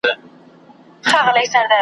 ځنګلونه د طبیعت توازن ساتي.